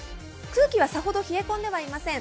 空気はさほど冷え込んではいません。